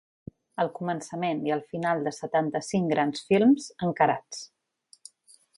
El començament i el final de setanta-cinc grans films, encarats.